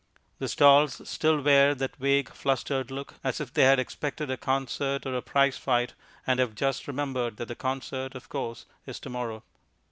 The stalls still wear that vague, flustered look, as if they had expected a concert or a prize fight and have just remembered that the concert, of course, is to morrow.